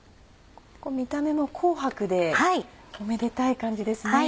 見た目も紅白でおめでたい感じですね。